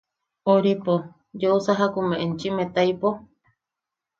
–... Oripo... ¿Yeu sajak jume enchim etaipo?